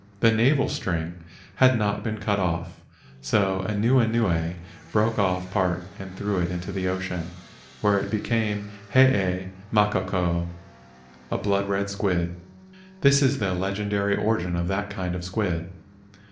The navel string had not been cut off, so Anuenue broke off part and threw it into the ocean, where it became the Hee makoko, a blood red squid. This is the legendary origin of that kind of squid.